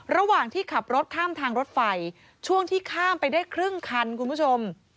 ระหว่างที่ขับรถข้ามทางรถไฟช่วงที่ข้ามไปได้ครึ่งคันคุณผู้ชม